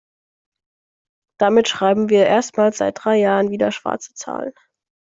Damit schreiben wir erstmals seit drei Jahren wieder schwarze Zahlen.